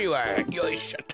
よいしょと。